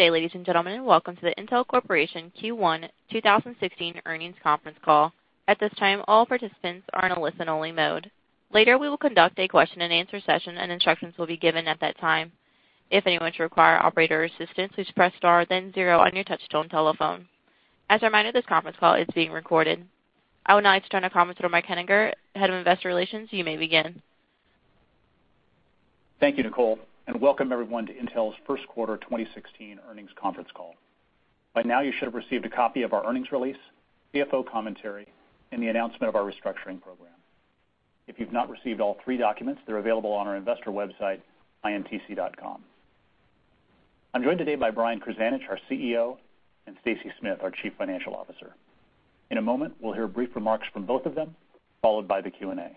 Good day, ladies and gentlemen, and welcome to the Intel Corporation Q1 2016 earnings conference call. At this time, all participants are in a listen-only mode. Later, we will conduct a question-and-answer session, and instructions will be given at that time. If anyone should require operator assistance, please press star then zero on your touch-tone telephone. As a reminder, this conference call is being recorded. I would now like to turn to conference to Mark Henninger, Head of Investor Relations. You may begin. Thank you, Nicole, and welcome everyone to Intel's first quarter 2016 earnings conference call. By now you should have received a copy of our earnings release, CFO commentary, and the announcement of our restructuring program. If you've not received all three documents, they're available on our investor website, intc.com. I'm joined today by Brian Krzanich, our CEO, and Stacy Smith, our Chief Financial Officer. In a moment, we'll hear brief remarks from both of them, followed by the Q&A.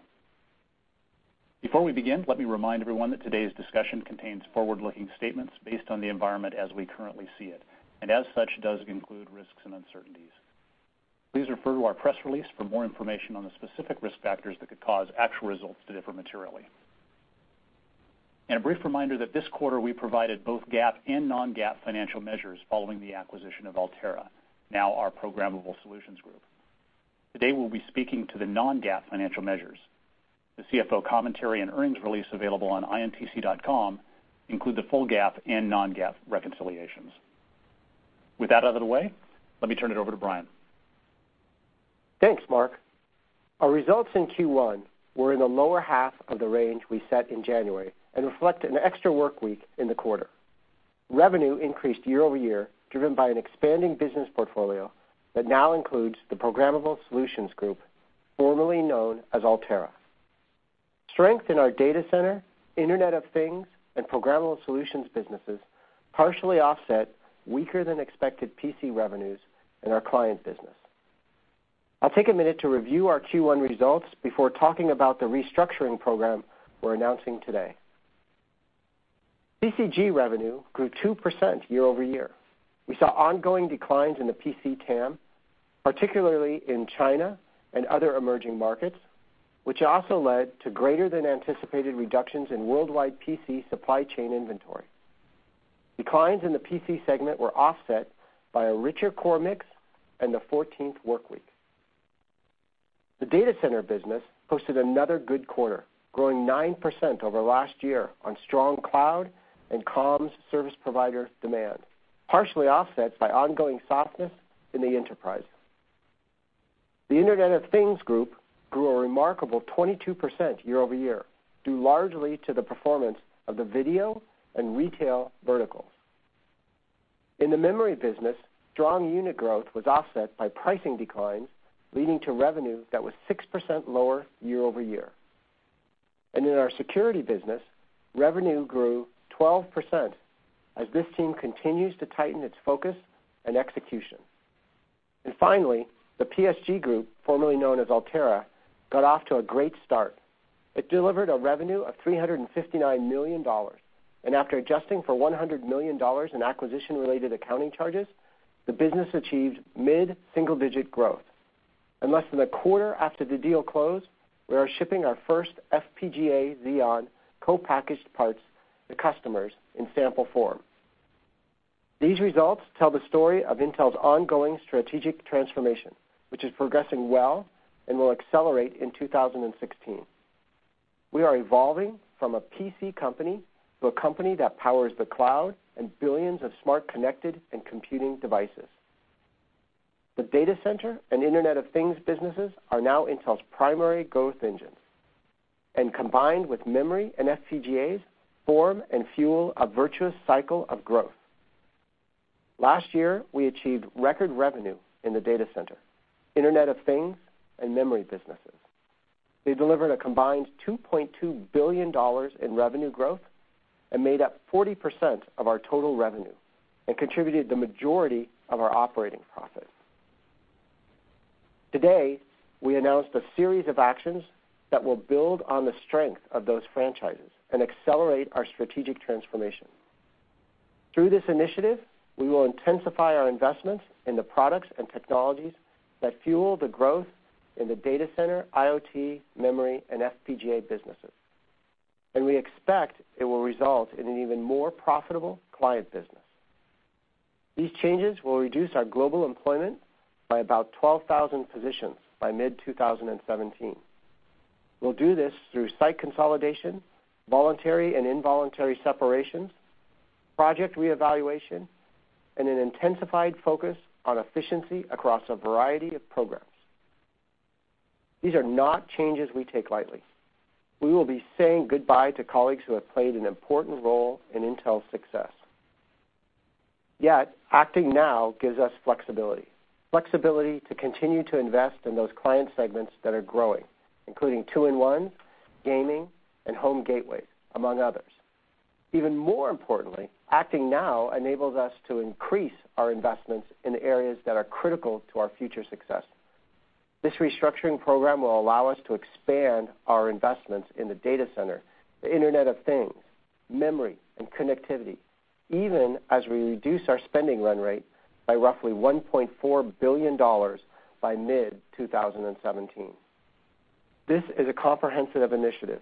Before we begin, let me remind everyone that today's discussion contains forward-looking statements based on the environment as we currently see it, and as such, does include risks and uncertainties. Please refer to our press release for more information on the specific risk factors that could cause actual results to differ materially. A brief reminder that this quarter we provided both GAAP and non-GAAP financial measures following the acquisition of Altera, now our Programmable Solutions Group. Today, we'll be speaking to the non-GAAP financial measures. The CFO commentary and earnings release available on intc.com include the full GAAP and non-GAAP reconciliations. With that out of the way, let me turn it over to Brian. Thanks, Mark. Our results in Q1 were in the lower half of the range we set in January and reflect an extra work week in the quarter. Revenue increased year-over-year, driven by an expanding business portfolio that now includes the Programmable Solutions Group, formerly known as Altera. Strength in our data center, Internet of Things, and programmable solutions businesses partially offset weaker than expected PC revenues in our client business. I'll take a minute to review our Q1 results before talking about the restructuring program we're announcing today. PCG revenue grew 2% year-over-year. We saw ongoing declines in the PC TAM, particularly in China and other emerging markets, which also led to greater than anticipated reductions in worldwide PC supply chain inventory. Declines in the PC segment were offset by a richer core mix and the 14th workweek. The data center business posted another good quarter, growing 9% over last year on strong cloud and comms service provider demand, partially offset by ongoing softness in the enterprise. The Internet of Things Group grew a remarkable 22% year-over-year, due largely to the performance of the video and retail verticals. In the memory business, strong unit growth was offset by pricing declines, leading to revenue that was 6% lower year-over-year. In our security business, revenue grew 12% as this team continues to tighten its focus and execution. Finally, the PSG Group, formerly known as Altera, got off to a great start. It delivered a revenue of $359 million, and after adjusting for $100 million in acquisition-related accounting charges, the business achieved mid-single-digit growth. Less than a quarter after the deal closed, we are shipping our first FPGA Xeon co-packaged parts to customers in sample form. These results tell the story of Intel's ongoing strategic transformation, which is progressing well and will accelerate in 2016. We are evolving from a PC company to a company that powers the cloud and billions of smart, connected, and computing devices. The data center and Internet of Things businesses are now Intel's primary growth engines, and combined with memory and FPGAs, form and fuel a virtuous cycle of growth. Last year, we achieved record revenue in the data center, Internet of Things, and memory businesses. They delivered a combined $2.2 billion in revenue growth and made up 40% of our total revenue and contributed the majority of our operating profit. Today, we announced a series of actions that will build on the strength of those franchises and accelerate our strategic transformation. Through this initiative, we will intensify our investments in the products and technologies that fuel the growth in the data center, IoT, memory, and FPGA businesses. We expect it will result in an even more profitable client business. These changes will reduce our global employment by about 12,000 positions by mid-2017. We'll do this through site consolidation, voluntary and involuntary separations, project reevaluation, and an intensified focus on efficiency across a variety of programs. These are not changes we take lightly. We will be saying goodbye to colleagues who have played an important role in Intel's success. Yet, acting now gives us flexibility. Flexibility to continue to invest in those client segments that are growing, including two-in-one, gaming, and home gateway, among others. Even more importantly, acting now enables us to increase our investments in areas that are critical to our future success. This restructuring program will allow us to expand our investments in the data center, the Internet of Things, memory and connectivity, even as we reduce our spending run rate by roughly $1.4 billion by mid-2017. This is a comprehensive initiative.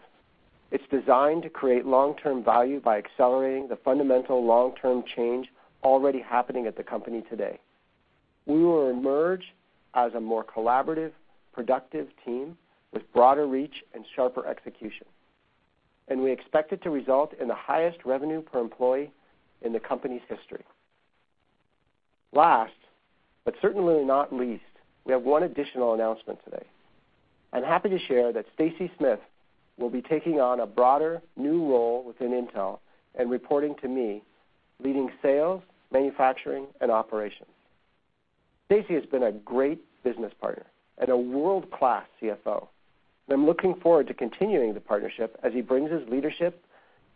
It's designed to create long-term value by accelerating the fundamental long-term change already happening at the company today. We will emerge as a more collaborative, productive team with broader reach and sharper execution, and we expect it to result in the highest revenue per employee in the company's history. Last, certainly not least, we have one additional announcement today. I'm happy to share that Stacy Smith will be taking on a broader, new role within Intel and reporting to me, leading sales, manufacturing, and operations. Stacy has been a great business partner and a world-class CFO. I'm looking forward to continuing the partnership as he brings his leadership,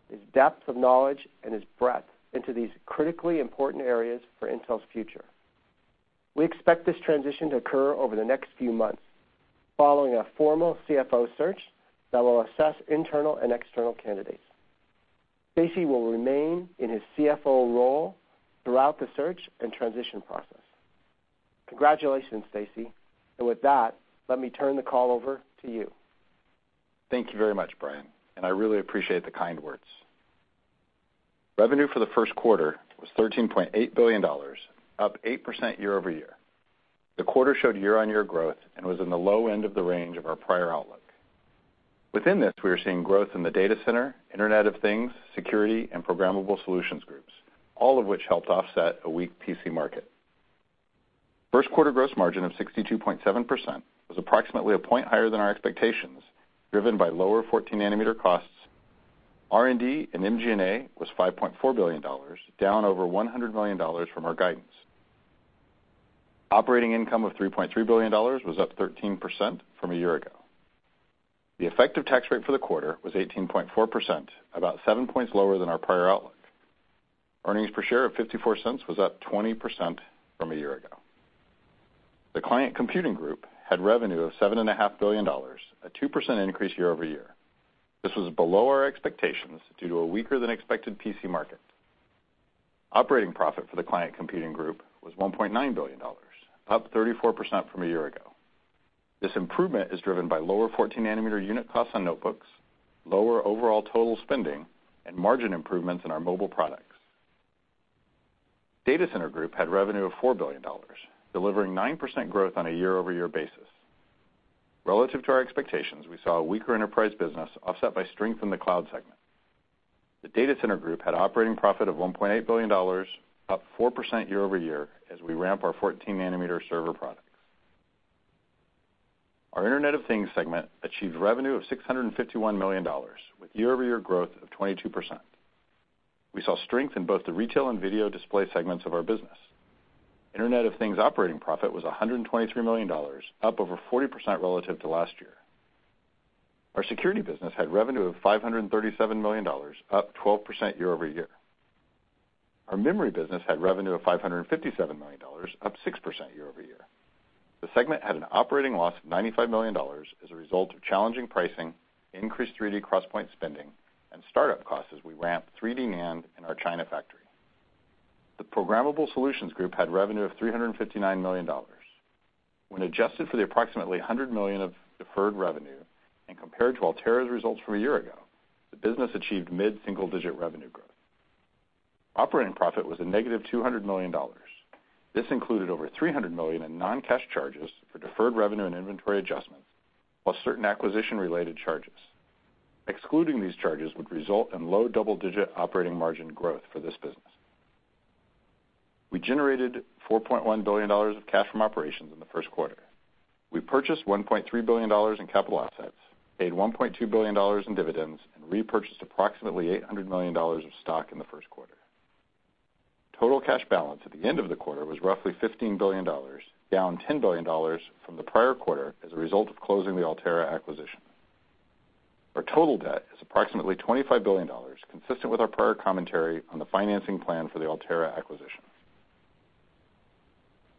his depth of knowledge, and his breadth into these critically important areas for Intel's future. We expect this transition to occur over the next few months, following a formal CFO search that will assess internal and external candidates. Stacy will remain in his CFO role throughout the search and transition process. Congratulations, Stacy. With that, let me turn the call over to you. Thank you very much, Brian, and I really appreciate the kind words. Revenue for the first quarter was $13.8 billion, up 8% year-over-year. The quarter showed year-on-year growth and was in the low end of the range of our prior outlook. Within this, we are seeing growth in the Data Center, Internet of Things, security, and Programmable Solutions Groups, all of which helped offset a weak PC market. First quarter gross margin of 62.7% was approximately a point higher than our expectations, driven by lower 14 nanometer costs. R&D and MGA was $5.4 billion, down over $100 million from our guidance. Operating income of $3.3 billion was up 13% from a year ago. The effective tax rate for the quarter was 18.4%, about seven points lower than our prior outlook. Earnings per share of $0.54 was up 20% from a year ago. The Client Computing Group had revenue of $7.5 billion, a 2% increase year-over-year. This was below our expectations due to a weaker than expected PC market. Operating profit for the Client Computing Group was $1.9 billion, up 34% from a year ago. This improvement is driven by lower 14 nanometer unit costs on notebooks, lower overall total spending, and margin improvements in our mobile products. Data Center Group had revenue of $4 billion, delivering 9% growth on a year-over-year basis. Relative to our expectations, we saw a weaker enterprise business offset by strength in the cloud segment. The Data Center Group had operating profit of $1.8 billion, up 4% year-over-year as we ramp our 14 nanometer server products. Our Internet of Things segment achieved revenue of $651 million with year-over-year growth of 22%. We saw strength in both the retail and video display segments of our business. Internet of Things operating profit was $123 million, up over 40% relative to last year. Our security business had revenue of $537 million, up 12% year-over-year. Our memory business had revenue of $557 million, up 6% year-over-year. The segment had an operating loss of $95 million as a result of challenging pricing, increased 3D XPoint spending, and start-up costs as we ramp 3D NAND in our China factory. The Programmable Solutions Group had revenue of $359 million. When adjusted for the approximately 100 million of deferred revenue and compared to Altera's results from a year ago, the business achieved mid-single-digit revenue growth. Operating profit was a negative $200 million. This included over 300 million in non-cash charges for deferred revenue and inventory adjustments, while certain acquisition-related charges. Excluding these charges would result in low double-digit operating margin growth for this business. We generated $4.1 billion of cash from operations in the first quarter. We purchased $1.3 billion in capital assets, paid $1.2 billion in dividends, and repurchased approximately $800 million of stock in the first quarter. Total cash balance at the end of the quarter was roughly $15 billion, down $10 billion from the prior quarter as a result of closing the Altera acquisition. Our total debt is approximately $25 billion, consistent with our prior commentary on the financing plan for the Altera acquisition.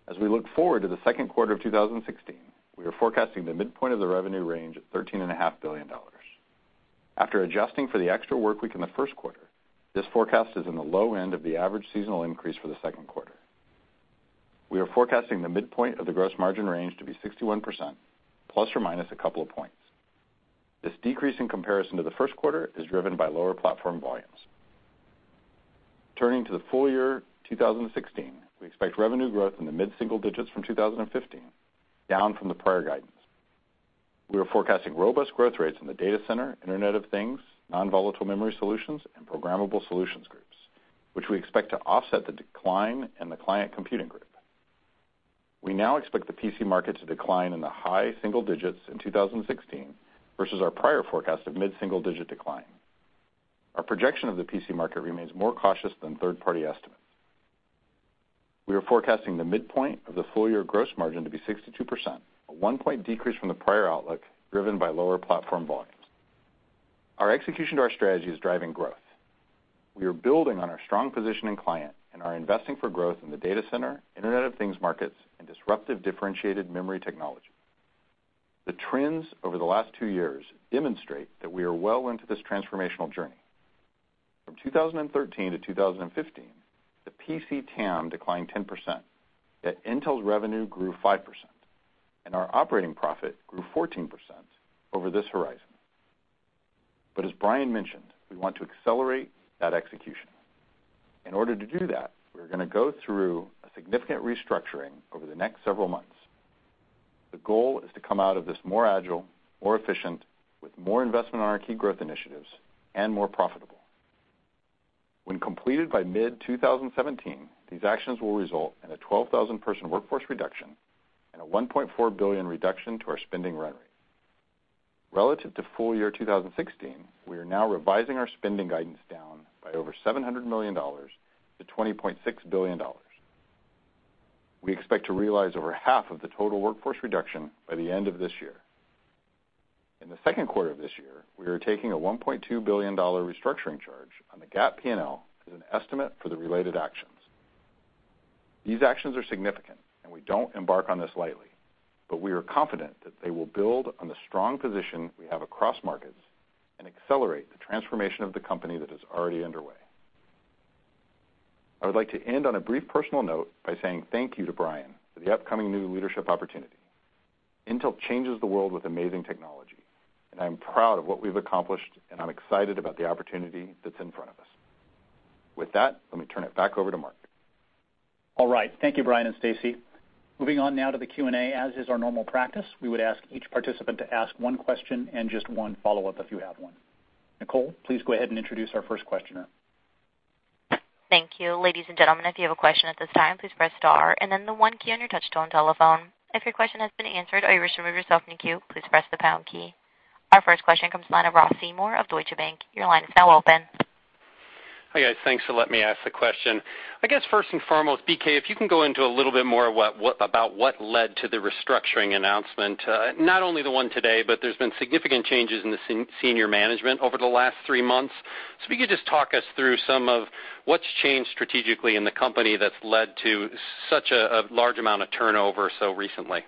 As we look forward to the second quarter of 2016, we are forecasting the midpoint of the revenue range at $13.5 billion. After adjusting for the extra work week in the first quarter, this forecast is in the low end of the average seasonal increase for the second quarter. We are forecasting the midpoint of the gross margin range to be 61%, plus or minus a couple of points. This decrease in comparison to the first quarter is driven by lower platform volumes. Turning to the full year 2016, we expect revenue growth in the mid-single digits from 2015, down from the prior guidance. We are forecasting robust growth rates in the Data Center, Internet of Things, non-volatile memory solutions, and Programmable Solutions groups, which we expect to offset the decline in the Client Computing Group. We now expect the PC market to decline in the high single digits in 2016 versus our prior forecast of mid-single digit decline. Our projection of the PC market remains more cautious than third-party estimates. We are forecasting the midpoint of the full-year gross margin to be 62%, a one-point decrease from the prior outlook, driven by lower platform volumes. Our execution to our strategy is driving growth. We are building on our strong position in client and are investing for growth in the data center, Internet of Things markets, and disruptive differentiated memory technology. The trends over the last two years demonstrate that we are well into this transformational journey. From 2013 to 2015, the PC TAM declined 10%, yet Intel's revenue grew 5%, and our operating profit grew 14% over this horizon. As Brian mentioned, we want to accelerate that execution. In order to do that, we're going to go through a significant restructuring over the next several months. The goal is to come out of this more agile, more efficient, with more investment on our key growth initiatives, and more profitable. When completed by mid-2017, these actions will result in a 12,000-person workforce reduction and a $1.4 billion reduction to our spending run rate. Relative to full year 2016, we are now revising our spending guidance down by over $700 million to $20.6 billion. We expect to realize over half of the total workforce reduction by the end of this year. In the second quarter of this year, we are taking a $1.2 billion restructuring charge on the GAAP P&L as an estimate for the related actions. These actions are significant, and we don't embark on this lightly, but we are confident that they will build on the strong position we have across markets and accelerate the transformation of the company that is already underway. I would like to end on a brief personal note by saying thank you to Brian for the upcoming new leadership opportunity. Intel changes the world with amazing technology, and I'm proud of what we've accomplished, and I'm excited about the opportunity that's in front of us. With that, let me turn it back over to Mark. All right. Thank you, Brian and Stacy. Moving on now to the Q&A. As is our normal practice, we would ask each participant to ask one question and just one follow-up if you have one. Nicole, please go ahead and introduce our first questioner. Thank you. Ladies and gentlemen, if you have a question at this time, please press star and then the one key on your touch-tone telephone. If your question has been answered or you wish to remove yourself from the queue, please press the pound key. Our first question comes from the line of Ross Seymore of Deutsche Bank. Your line is now open. Hi, guys. Thanks to let me ask the question. I guess, first and foremost, BK, if you can go into a little bit more about what led to the restructuring announcement. Not only the one today, but there's been significant changes in the senior management over the last three months. If you could just talk us through some of what's changed strategically in the company that's led to such a large amount of turnover so recently.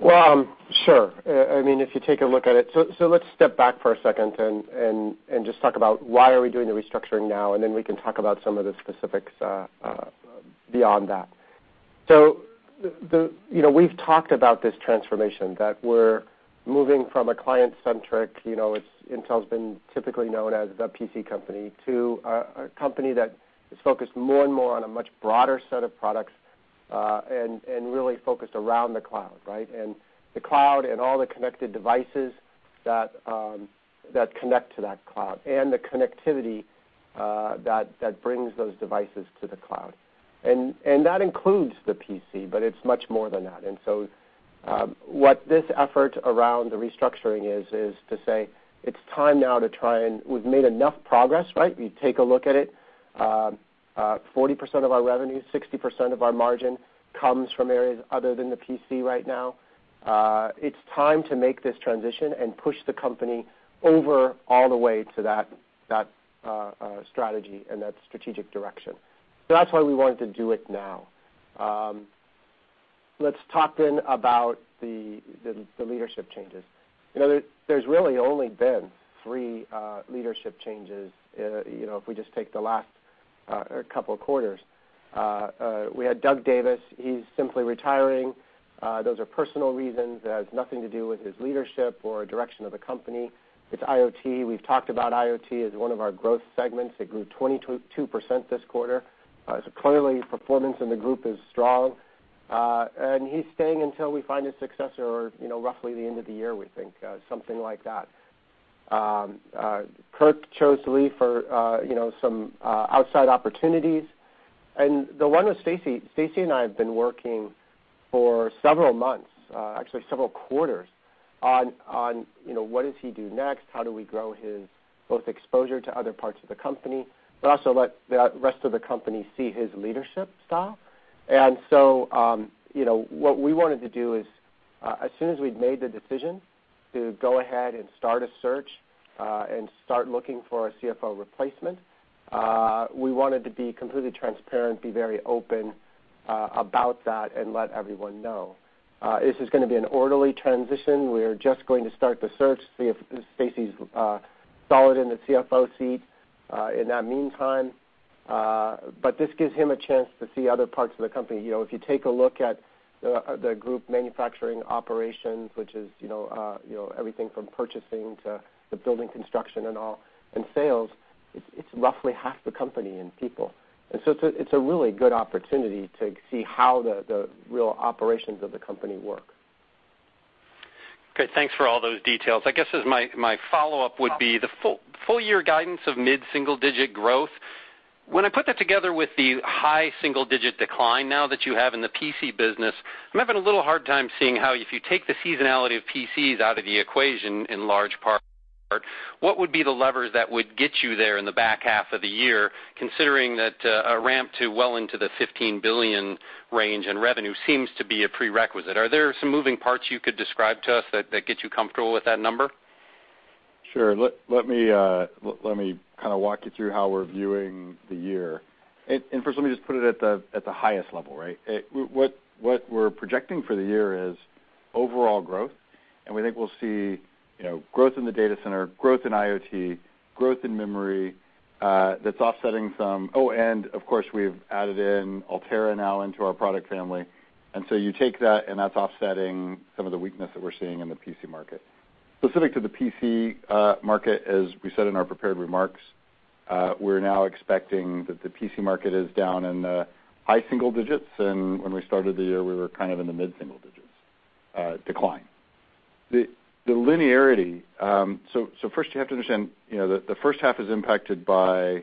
Well, sure. Let's step back for a second and just talk about why are we doing the restructuring now, then we can talk about some of the specifics beyond that. We've talked about this transformation, that we're moving from a client-centric, Intel's been typically known as the PC company, to a company that is focused more and more on a much broader set of products, and really focused around the cloud, right? The cloud and all the connected devices that connect to that cloud, and the connectivity that brings those devices to the cloud. That includes the PC, but it's much more than that. What this effort around the restructuring is to say it's time now to try, and we've made enough progress, right? You take a look at it, 40% of our revenue, 60% of our margin comes from areas other than the PC right now. It's time to make this transition and push the company over all the way to that strategy and that strategic direction. That's why we wanted to do it now. Let's talk about the leadership changes. There's really only been three leadership changes, if we just take the last couple of quarters. We had Doug Davis. He's simply retiring. Those are personal reasons. It has nothing to do with his leadership or direction of the company. It's IoT. We've talked about IoT as one of our growth segments. It grew 22% this quarter. Clearly, performance in the group is strong. He's staying until we find a successor or roughly the end of the year, we think, something like that. Kirk chose to leave for some outside opportunities. The one with Stacy and I have been working for several months, actually several quarters, on what does he do next? How do we grow his both exposure to other parts of the company, but also let the rest of the company see his leadership style? What we wanted to do is, as soon as we'd made the decision to go ahead and start a search, and start looking for a CFO replacement, we wanted to be completely transparent, be very open about that, and let everyone know. This is going to be an orderly transition. We are just going to start the search, Stacy's solid in the CFO seat in that meantime. This gives him a chance to see other parts of the company. If you take a look at the group manufacturing operations, which is everything from purchasing to the building construction and all, and sales, it's roughly half the company in people. It's a really good opportunity to see how the real operations of the company work. Okay, thanks for all those details. I guess as my follow-up would be the full year guidance of mid-single-digit growth. When I put that together with the high single-digit decline now that you have in the PC business, I'm having a little hard time seeing how if you take the seasonality of PCs out of the equation in large part, what would be the levers that would get you there in the back half of the year, considering that a ramp to well into the $15 billion range in revenue seems to be a prerequisite. Are there some moving parts you could describe to us that get you comfortable with that number? Sure. Let me kind of walk you through how we're viewing the year. First, let me just put it at the highest level, right? What we're projecting for the year is overall growth, and we think we'll see growth in the data center, growth in IoT, growth in memory, that's offsetting some. Oh, of course, we've added in Altera now into our product family. So you take that, and that's offsetting some of the weakness that we're seeing in the PC market. Specific to the PC market, as we said in our prepared remarks, we're now expecting that the PC market is down in the high single digits. When we started the year, we were kind of in the mid-single digits decline. The linearity. First, you have to understand, the first half is impacted by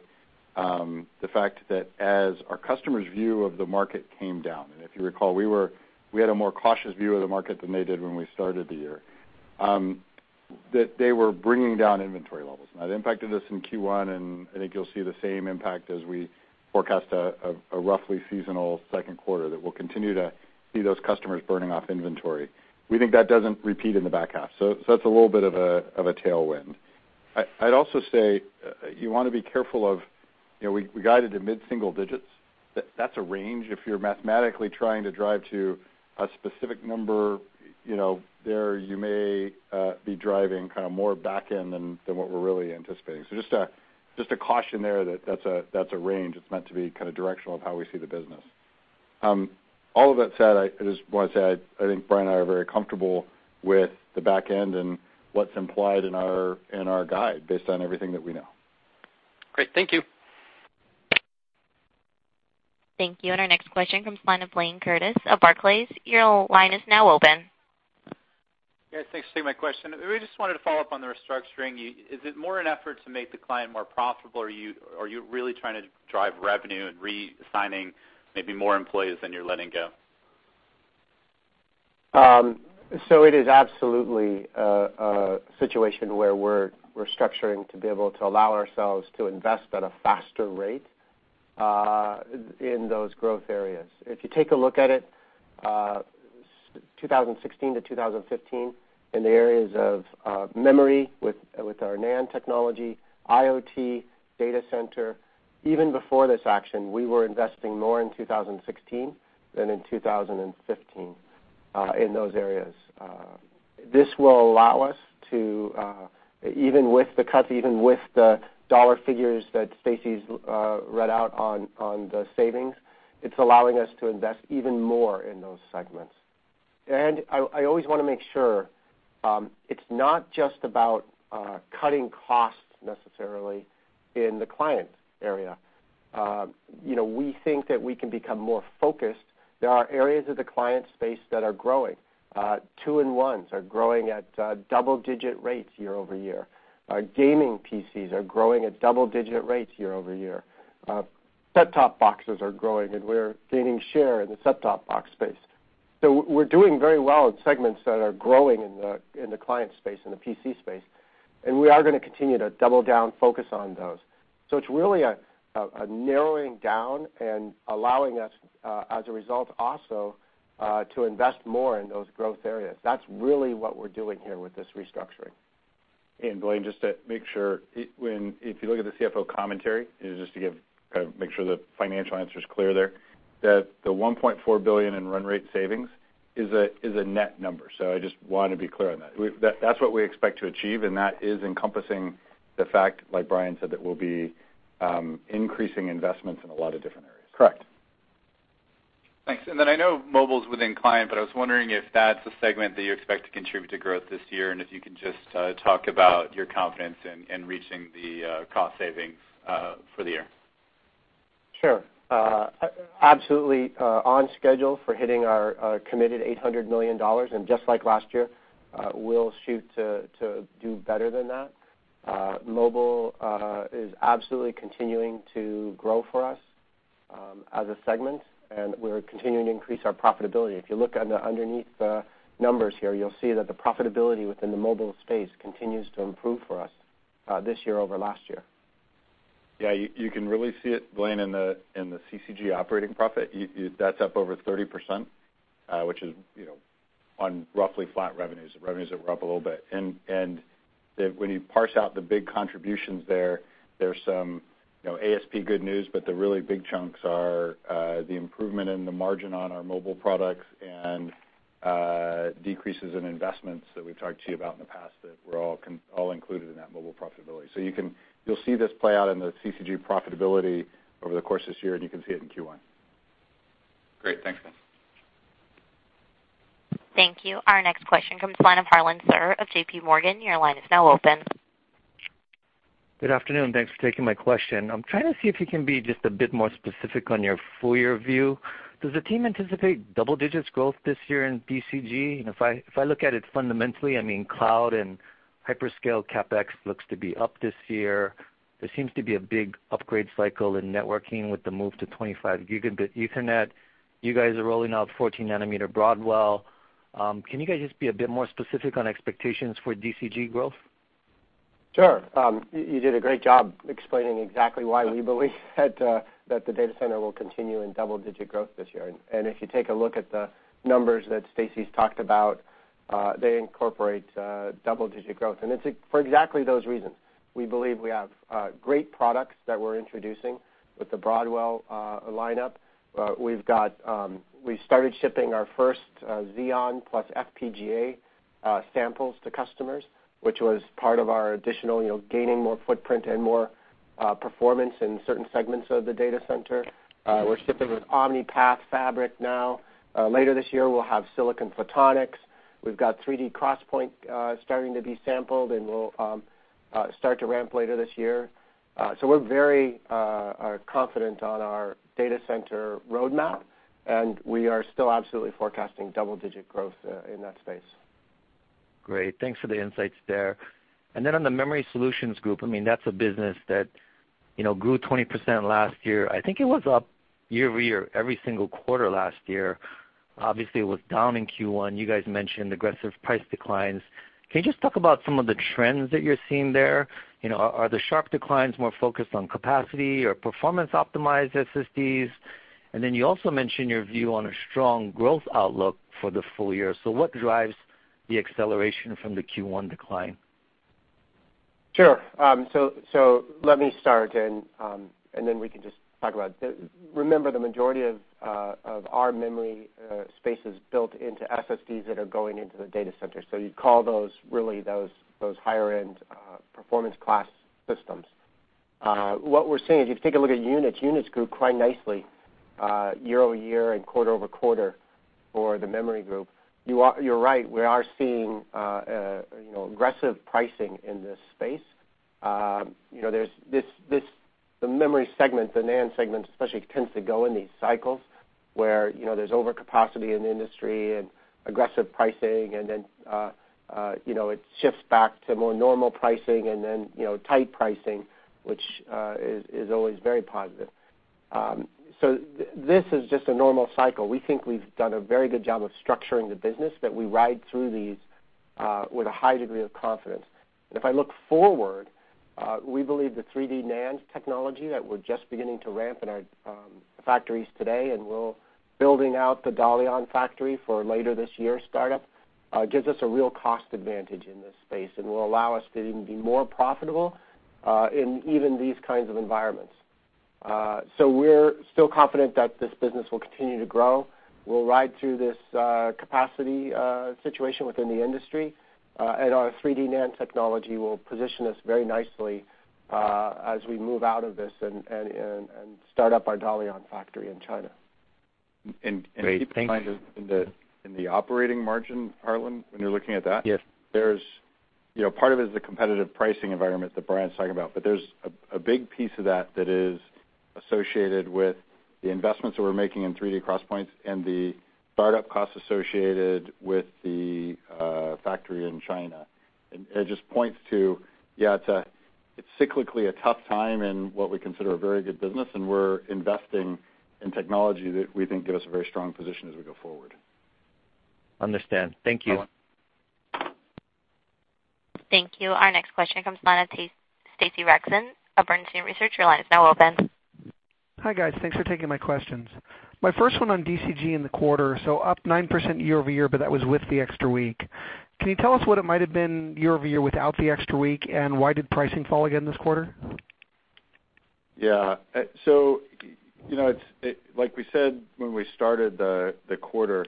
the fact that as our customers' view of the market came down, and if you recall, we had a more cautious view of the market than they did when we started the year, that they were bringing down inventory levels. Now, that impacted us in Q1, and I think you'll see the same impact as we forecast a roughly seasonal second quarter that we'll continue to see those customers burning off inventory. We think that doesn't repeat in the back half. That's a little bit of a tailwind. I'd also say, you want to be careful of, we guided to mid-single digits. That's a range. If you're mathematically trying to drive to a specific number, there you may be driving kind of more back end than what we're really anticipating. Just a caution there that that's a range. It's meant to be kind of directional of how we see the business. All of that said, I just want to say, I think Brian and I are very comfortable with the back end and what's implied in our guide based on everything that we know. Great. Thank you. Thank you. Our next question comes from the line of Blayne Curtis of Barclays. Your line is now open. Yes, thanks for taking my question. We just wanted to follow up on the restructuring. Is it more an effort to make the client more profitable, or are you really trying to drive revenue and reassigning maybe more employees than you're letting go? It is absolutely a situation where we're restructuring to be able to allow ourselves to invest at a faster rate in those growth areas. If you take a look at it, 2016 to 2015, in the areas of memory with our NAND technology, IoT, data center, even before this action, we were investing more in 2016 than in 2015 in those areas. This will allow us to, even with the cuts, even with the dollar figures that Stacy's read out on the savings, it's allowing us to invest even more in those segments. I always want to make sure, it's not just about cutting costs necessarily in the client area. We think that we can become more focused. There are areas of the client space that are growing. Two-in-ones are growing at double-digit rates year-over-year. Our gaming PCs are growing at double-digit rates year-over-year. Set-top boxes are growing. We're gaining share in the set-top box space. We're doing very well in segments that are growing in the client space, in the PC space. We are going to continue to double down focus on those. It's really a narrowing down and allowing us, as a result also, to invest more in those growth areas. That's really what we're doing here with this restructuring. Blayne, just to make sure, if you look at the CFO commentary, just to make sure the financial answer's clear there, that the $1.4 billion in run rate savings is a net number. I just want to be clear on that. That's what we expect to achieve. That is encompassing the fact, like Brian said, that we'll be increasing investments in a lot of different areas. Correct. Thanks. I know mobile's within client. I was wondering if that's a segment that you expect to contribute to growth this year, if you can just talk about your confidence in reaching the cost savings for the year. Sure. Absolutely on schedule for hitting our committed $800 million. Just like last year, we'll shoot to do better than that. Mobile is absolutely continuing to grow for us as a segment. We're continuing to increase our profitability. If you look underneath the numbers here, you'll see that the profitability within the mobile space continues to improve for us this year over last year. You can really see it, Blayne, in the CCG operating profit. That's up over 30%, which is on roughly flat revenues, or revenues that were up a little bit. When you parse out the big contributions there's some ASP good news, but the really big chunks are the improvement in the margin on our mobile products and decreases in investments that we've talked to you about in the past that were all included in that mobile profitability. You'll see this play out in the CCG profitability over the course of this year, and you can see it in Q1. Great. Thanks, guys. Thank you. Our next question comes from the line of Harlan Sur of J.P. Morgan. Your line is now open. Good afternoon, thanks for taking my question. I'm trying to see if you can be just a bit more specific on your full year view. Does the team anticipate double-digit growth this year in DCG? If I look at it fundamentally, I mean, cloud and hyperscale CapEx looks to be up this year. There seems to be a big upgrade cycle in networking with the move to 25 Gigabit Ethernet. You guys are rolling out 14 nm Broadwell. Can you guys just be a bit more specific on expectations for DCG growth? Sure. You did a great job explaining exactly why we believe that the data center will continue in double-digit growth this year. If you take a look at the numbers that Stacy's talked about, they incorporate double-digit growth, and it's for exactly those reasons. We believe we have great products that we're introducing with the Broadwell lineup. We started shipping our first Xeon plus FPGA samples to customers, which was part of our additional gaining more footprint and more performance in certain segments of the data center. We're shipping with Omni-Path Fabric now. Later this year, we'll have Silicon Photonics. We've got 3D XPoint starting to be sampled, and we'll start to ramp later this year. We're very confident on our data center roadmap, and we are still absolutely forecasting double-digit growth in that space. Great. Thanks for the insights there. On the memory solutions group, that's a business that grew 20% last year. I think it was up year-over-year every single quarter last year. Obviously, it was down in Q1. You guys mentioned aggressive price declines. Can you just talk about some of the trends that you're seeing there? Are the sharp declines more focused on capacity or performance-optimized SSDs? You also mentioned your view on a strong growth outlook for the full year. What drives the acceleration from the Q1 decline? Sure. Let me start, and then we can just talk about it. Remember, the majority of our memory space is built into SSDs that are going into the data center. You'd call those, really those higher-end performance class systems. What we're seeing is if you take a look at units grew quite nicely year-over-year and quarter-over-quarter for the memory group. You're right, we are seeing aggressive pricing in this space. The memory segment, the NAND segment, especially, tends to go in these cycles, where there's overcapacity in the industry and aggressive pricing, and then it shifts back to more normal pricing and then tight pricing, which is always very positive. This is just a normal cycle. We think we've done a very good job of structuring the business, that we ride through these with a high degree of confidence. If I look forward, we believe the 3D NAND technology that we're just beginning to ramp in our factories today, and we're building out the Dalian factory for later this year startup, gives us a real cost advantage in this space and will allow us to even be more profitable in even these kinds of environments. We're still confident that this business will continue to grow. We'll ride through this capacity situation within the industry, and our 3D NAND technology will position us very nicely as we move out of this and start up our Dalian factory in China. Great. Thank you. Keep in mind in the operating margin, Harlan, when you're looking at that. Yes part of it is the competitive pricing environment that Brian's talking about, but there's a big piece of that that is associated with the investments that we're making in 3D XPoint and the startup costs associated with the factory in China. It just points to, yeah, it's cyclically a tough time in what we consider a very good business, we're investing in technology that we think gives us a very strong position as we go forward. Understand. Thank you. Harlan. Thank you. Our next question comes from Stacy Rasgon of Bernstein Research. Your line is now open. Hi, guys. Thanks for taking my questions. My first one on DCG in the quarter, so up 9% year-over-year, but that was with the extra week. Can you tell us what it might've been year-over-year without the extra week, and why did pricing fall again this quarter? Yeah. Like we said when we started the quarter,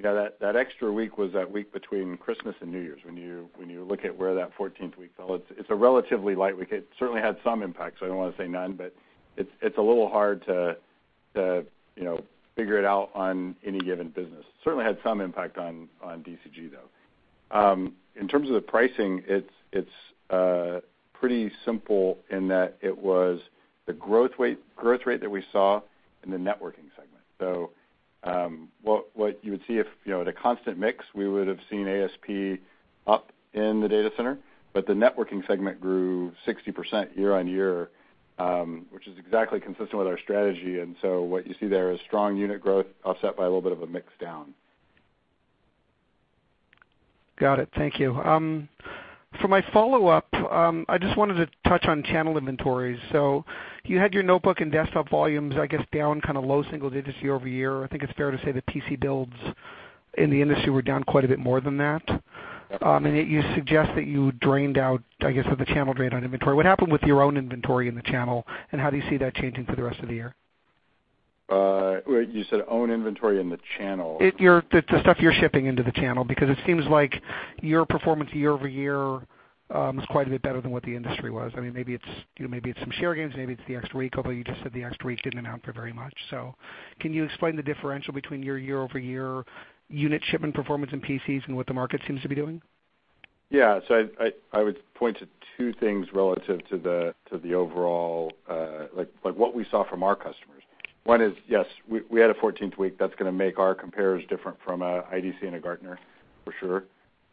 that extra week was that week between Christmas and New Year's. When you look at where that 14th week fell, it's a relatively light week. It certainly had some impact, so I don't want to say none, but it's a little hard to figure it out on any given business. Certainly had some impact on DCG, though. In terms of the pricing, it's pretty simple in that it was the growth rate that we saw in the networking segment. What you would see at a constant mix, we would've seen ASP up in the data center, but the networking segment grew 60% year-on-year, which is exactly consistent with our strategy, and so what you see there is strong unit growth offset by a little bit of a mix down. Got it. Thank you. For my follow-up, I just wanted to touch on channel inventories. You had your notebook and desktop volumes, I guess, down low single digits year-over-year. I think it's fair to say that PC builds in the industry were down quite a bit more than that. Yep. Yet you suggest that you drained out, I guess, or the channel drained on inventory. What happened with your own inventory in the channel, and how do you see that changing for the rest of the year? Wait, you said own inventory in the channel. The stuff you're shipping into the channel, because it seems like your performance year-over-year was quite a bit better than what the industry was. Maybe it's some share gains. Maybe it's the extra week, although you just said the extra week didn't amount for very much. Can you explain the differential between your year-over-year unit shipment performance in PCs and what the market seems to be doing? Yeah. I would point to two things relative to the overall, like what we saw from our customers. One is, yes, we had a 14th week. That's going to make our compares different from an IDC and a Gartner, for sure.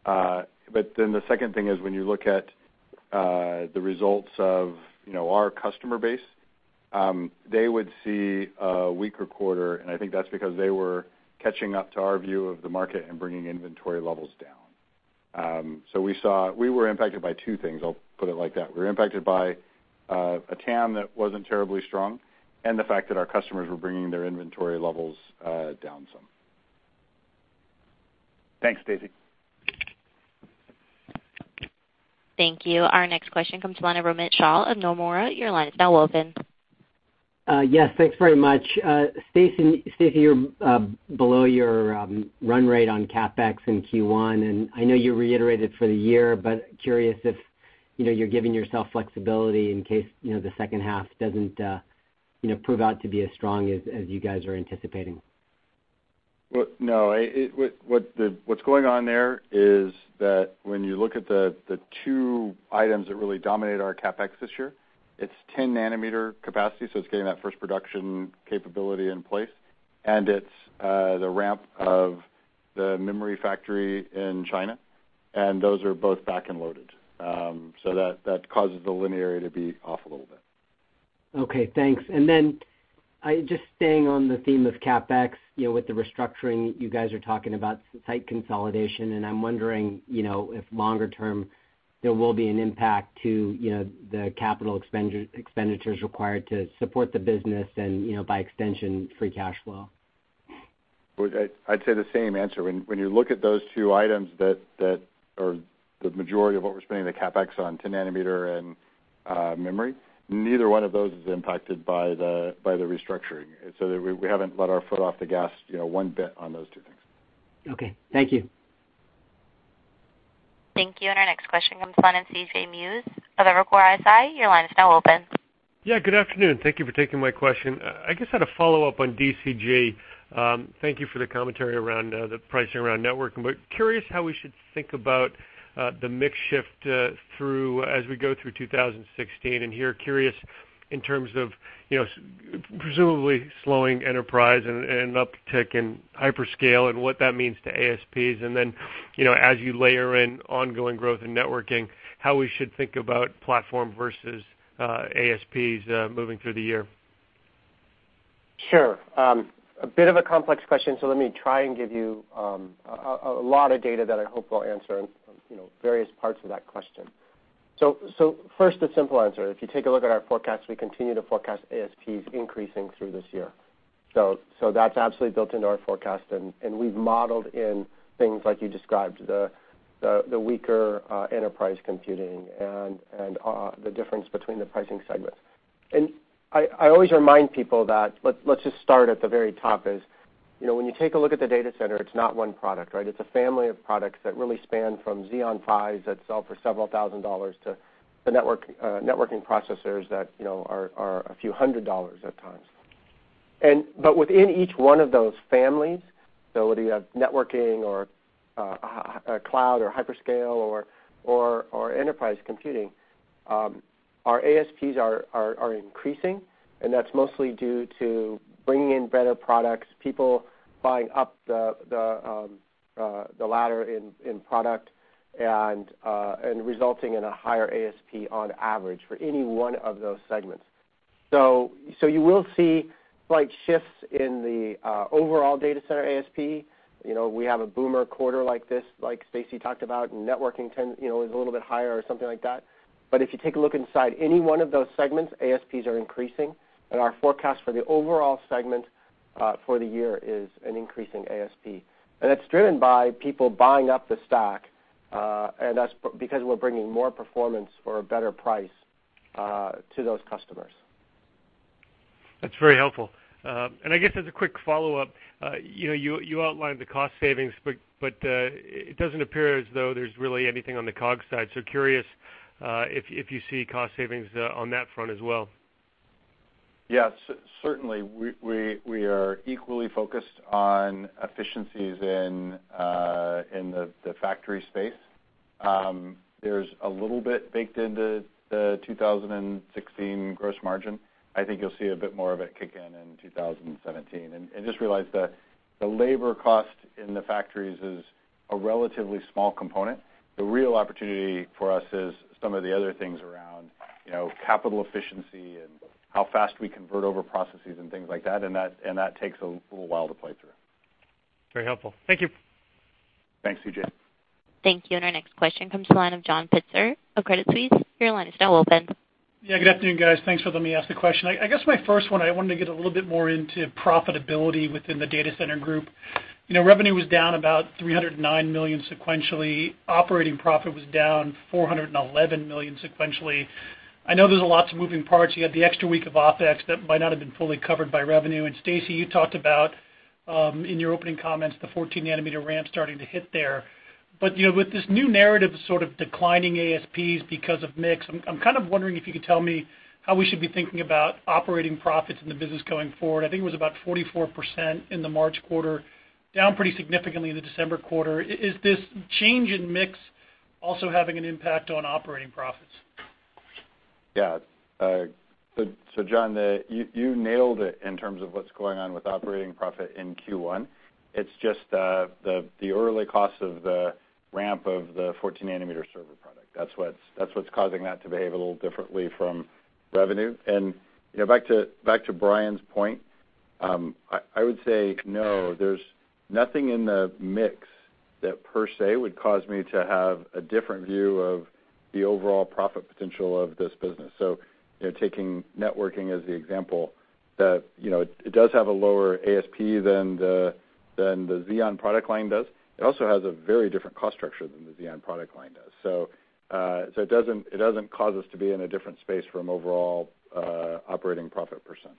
The second thing is when you look at the results of our customer base, they would see a weaker quarter, and I think that's because they were catching up to our view of the market and bringing inventory levels down. We were impacted by two things, I'll put it like that. We were impacted by a TAM that wasn't terribly strong, and the fact that our customers were bringing their inventory levels down some. Thanks, Stacy. Thank you. Our next question comes from the line of Romit Shah of Nomura. Your line is now open. Yes, thanks very much. Stacy, you are below your run rate on CapEx in Q1. I know you reiterated for the year, but curious if you are giving yourself flexibility in case the second half doesn't prove out to be as strong as you guys are anticipating. Well, no. What's going on there is that when you look at the two items that really dominate our CapEx this year, it's 10 nm capacity, it's getting that first production capability in place, and it's the ramp of the memory factory in China. Those are both back and loaded. That causes the linearity to be off a little bit. Okay, thanks. Just staying on the theme of CapEx, with the restructuring, you guys are talking about site consolidation, and I'm wondering if longer term there will be an impact to the capital expenditures required to support the business and, by extension, free cash flow. I'd say the same answer. When you look at those two items that are the majority of what we're spending the CapEx on, 10 nm and memory, neither one of those is impacted by the restructuring. We haven't let our foot off the gas one bit on those two things. Okay, thank you. Thank you. Our next question comes the line of C.J. Muse of Evercore ISI. Your line is now open. Yeah, good afternoon. Thank you for taking my question. I guess I had a follow-up on DCG. Thank you for the commentary around the pricing around networking, but curious how we should think about the mix shift as we go through 2016. Here, curious in terms of presumably slowing enterprise and an uptick in hyperscale and what that means to ASPs, and then, as you layer in ongoing growth in networking, how we should think about platform versus ASPs moving through the year. Sure. A bit of a complex question, so let me try and give you a lot of data that I hope will answer various parts of that question. First, the simple answer. If you take a look at our forecast, we continue to forecast ASPs increasing through this year. That's absolutely built into our forecast, and we've modeled in things like you described, the weaker enterprise computing and the difference between the pricing segments. I always remind people that, let's just start at the very top is, when you take a look at the data center, it's not one product, right? It's a family of products that really span from Xeon Phis that sell for several thousand dollars to the networking processors that are a few hundred dollars at times. Within each one of those families, so whether you have networking or cloud or hyperscale or enterprise computing, our ASPs are increasing, and that's mostly due to bringing in better products, people buying up the ladder in product and resulting in a higher ASP on average for any one of those segments. You will see slight shifts in the overall data center ASP. We have a boomer quarter like this, like Stacy talked about, and networking is a little bit higher or something like that. If you take a look inside any one of those segments, ASPs are increasing, and our forecast for the overall segment for the year is an increasing ASP. That's driven by people buying up the stock, and that's because we're bringing more performance for a better price to those customers. That's very helpful. I guess as a quick follow-up, you outlined the cost savings, but it doesn't appear as though there's really anything on the COGS side, so curious if you see cost savings on that front as well. Yes. Certainly, we are equally focused on efficiencies in the factory space. There's a little bit baked into the 2016 gross margin. I think you'll see a bit more of it kick in in 2017. Just realize that the labor cost in the factories is a relatively small component. The real opportunity for us is some of the other things around capital efficiency and how fast we convert over processes and things like that, and that takes a little while to play through. Very helpful. Thank you. Thanks, C.J. Thank you. Our next question comes to the line of John Pitzer of Credit Suisse. Your line is now open. Good afternoon, guys. Thanks for letting me ask the question. My first one, I wanted to get a little bit more into profitability within the Data Center Group. Revenue was down about $309 million sequentially. Operating profit was down $411 million sequentially. I know there's lots of moving parts. You had the extra week of OpEx that might not have been fully covered by revenue. Stacy, you talked about, in your opening comments, the 14 nm ramp starting to hit there. With this new narrative of sort of declining ASPs because of mix, I'm kind of wondering if you could tell me how we should be thinking about operating profits in the business going forward. I think it was about 44% in the March quarter, down pretty significantly in the December quarter. Is this change in mix also having an impact on operating profits? John, you nailed it in terms of what's going on with operating profit in Q1. It's just the early cost of the ramp of the 14 nm server product. That's what's causing that to behave a little differently from revenue. Back to Brian's point, I would say no. There's nothing in the mix that per se would cause me to have a different view of the overall profit potential of this business. Taking networking as the example, it does have a lower ASP than the Xeon product line does. It also has a very different cost structure than the Xeon product line does. It doesn't cause us to be in a different space from an overall operating profit percent.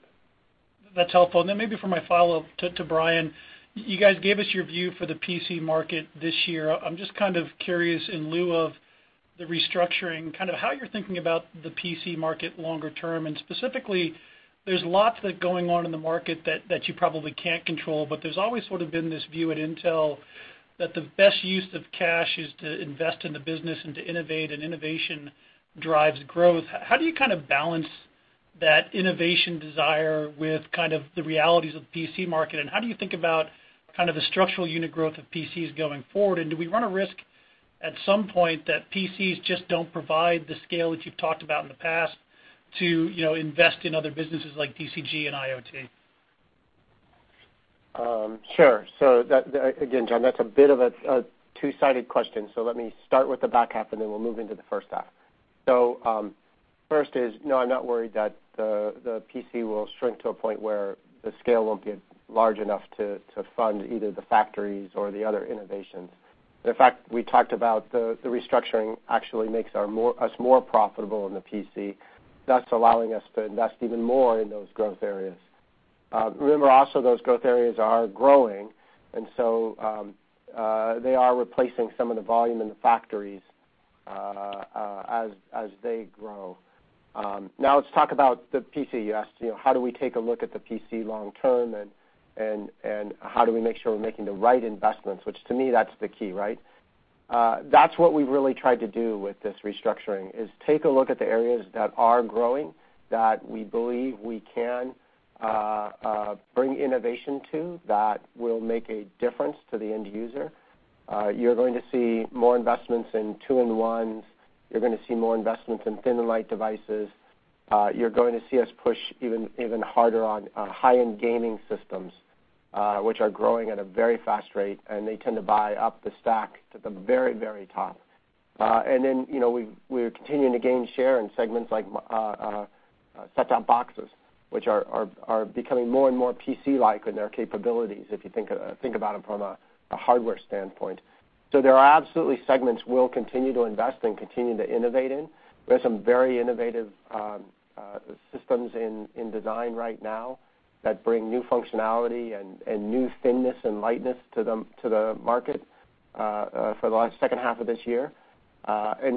That's helpful. Then maybe for my follow-up to Brian, you guys gave us your view for the PC market this year. I'm just curious in lieu of the restructuring, how you're thinking about the PC market longer term, specifically, there's lots going on in the market that you probably can't control, there's always sort of been this view at Intel that the best use of cash is to invest in the business and to innovate, innovation drives growth. How do you balance that innovation desire with the realities of the PC market, how do you think about the structural unit growth of PCs going forward? Do we run a risk at some point that PCs just don't provide the scale that you've talked about in the past to invest in other businesses like DCG and IoT? Sure. Again, John, that's a bit of a two-sided question. Let me start with the back half, then we'll move into the first half. First is, no, I'm not worried that the PC will shrink to a point where the scale won't get large enough to fund either the factories or the other innovations. In fact, we talked about the restructuring actually makes us more profitable in the PC, thus allowing us to invest even more in those growth areas. Remember also, those growth areas are growing, they are replacing some of the volume in the factories as they grow. Now let's talk about the PC. You asked, how do we take a look at the PC long term, how do we make sure we're making the right investments? Which to me, that's the key, right? That's what we've really tried to do with this restructuring, is take a look at the areas that are growing, that we believe we can bring innovation to, that will make a difference to the end user. You're going to see more investments in two-in-ones. You're going to see more investments in thin and light devices. You're going to see us push even harder on high-end gaming systems, which are growing at a very fast rate, and they tend to buy up the stack to the very, very top. Then, we're continuing to gain share in segments like set-top boxes, which are becoming more and more PC-like in their capabilities, if you think about them from a hardware standpoint. There are absolutely segments we'll continue to invest in, continue to innovate in. We have some very innovative systems in design right now that bring new functionality and new thinness and lightness to the market for the second half of this year.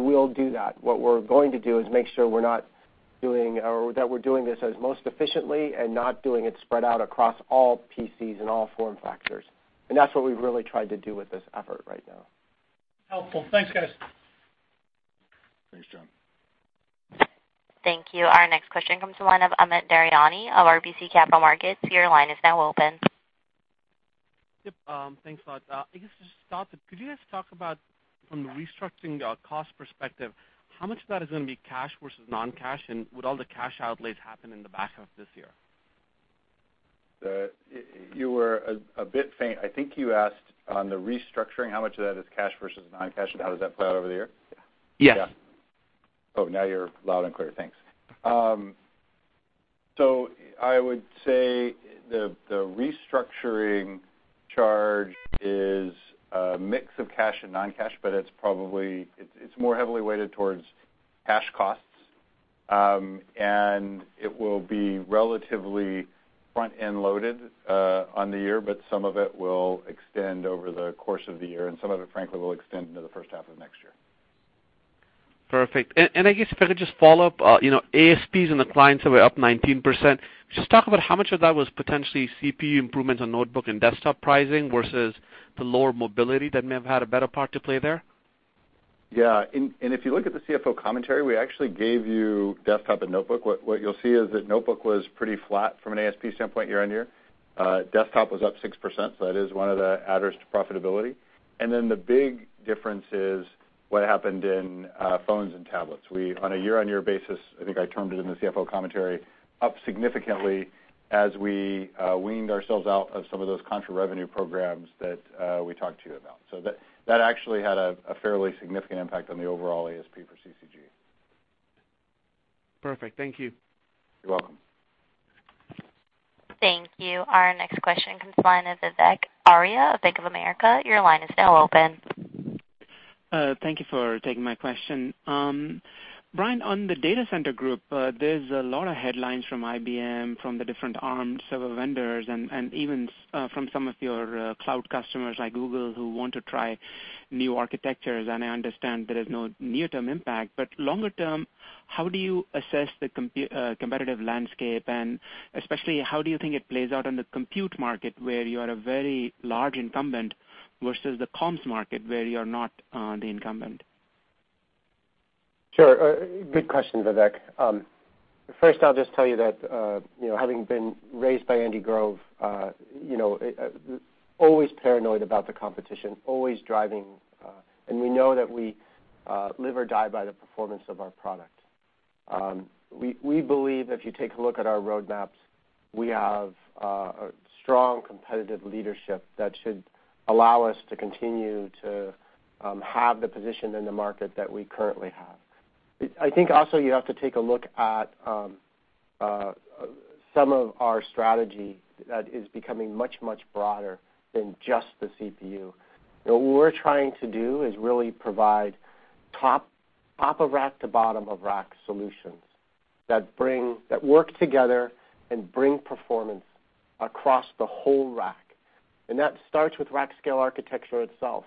We'll do that. What we're going to do is make sure that we're doing this as most efficiently and not doing it spread out across all PCs and all form factors. That's what we've really tried to do with this effort right now. Helpful. Thanks, guys. Thanks, John. Thank you. Our next question comes from the line of Amit Daryanani of RBC Capital Markets. Your line is now open. Yep. Thanks a lot. I guess just to start, could you guys talk about from the restructuring cost perspective, how much of that is going to be cash versus non-cash, and would all the cash outlays happen in the back half of this year? You were a bit faint. I think you asked on the restructuring, how much of that is cash versus non-cash, and how does that play out over the year? Yes. Oh, now you're loud and clear. Thanks. I would say the restructuring charge is a mix of cash and non-cash, but it's more heavily weighted towards cash costs. It will be relatively front-end loaded on the year, but some of it will extend over the course of the year, and some of it, frankly, will extend into the first half of next year. Perfect. I guess if I could just follow up, ASPs on the clients were up 19%. Just talk about how much of that was potentially CPU improvements on notebook and desktop pricing versus the lower mobility that may have had a better part to play there. Yeah. If you look at the CFO commentary, we actually gave you desktop and notebook. What you'll see is that notebook was pretty flat from an ASP standpoint year-on-year. Desktop was up 6%, that is one of the adders to profitability. Then the big difference is what happened in phones and tablets. We, on a year-on-year basis, I think I termed it in the CFO commentary, up significantly as we weaned ourselves out of some of those contra revenue programs that we talked to you about. That actually had a fairly significant impact on the overall ASP for CCG. Perfect. Thank you. You're welcome. Thank you. Our next question comes from the line of Vivek Arya of Bank of America. Your line is now open. Thank you for taking my question. Brian, on the Data Center Group, there's a lot of headlines from IBM, from the different arms, several vendors, and even from some of your cloud customers like Google, who want to try new architectures. I understand there is no near-term impact, but longer term, how do you assess the competitive landscape, and especially, how do you think it plays out on the compute market, where you are a very large incumbent versus the comms market, where you're not the incumbent? Sure. Good question, Vivek. First, I'll just tell you that having been raised by Andy Grove, always paranoid about the competition, always driving. We know that we live or die by the performance of our product. We believe if you take a look at our roadmaps, we have a strong competitive leadership that should allow us to continue to have the position in the market that we currently have. I think also you have to take a look at some of our strategy that is becoming much, much broader than just the CPU. What we're trying to do is really provide top of rack to bottom of rack solutions that work together and bring performance across the whole rack. That starts with rack scale architecture itself,